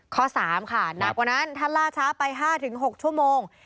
ข้อ๓ค่ะหนักกว่านั้นถ้าล่าช้าไป๕๖ชั่วโมง